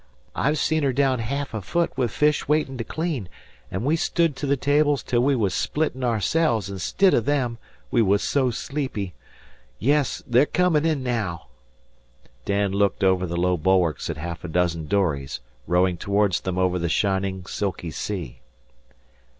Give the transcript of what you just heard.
I've seen her down ha'af a foot with fish waitin' to clean, an' we stood to the tables till we was splittin' ourselves instid o' them, we was so sleepy. Yes, they're comm' in naow." Dan looked over the low bulwarks at half a dozen dories rowing towards them over the shining, silky sea.